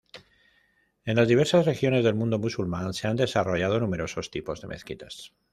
En las diversas regiones del mundo musulmán se han desarrollado numerosos tipos de mezquitas.